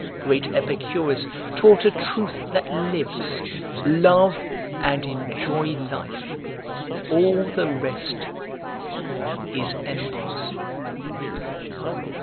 Great Epicurus taught a truth that lives; Love and enjoy life! All the rest is embers.